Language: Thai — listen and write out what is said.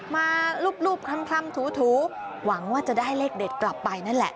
มารูปคลำถูหวังว่าจะได้เลขเด็ดกลับไปนั่นแหละ